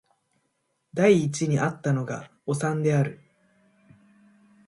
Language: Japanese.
第一に逢ったのがおさんである